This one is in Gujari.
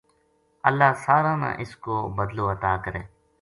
اللہ ساراں نا اس کو بدلو عطا کرے